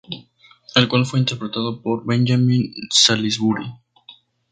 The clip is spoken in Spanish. El cual fue interpretado por Benjamin Salisbury.